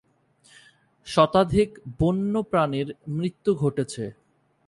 শতাধিক বন্যপ্রাণীর মৃত্যু ঘটেছে।